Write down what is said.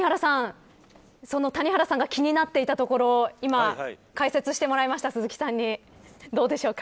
谷原さんが気になっていたところ今、解説してもらいました。